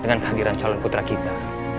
dengan kehadiran calon putra kita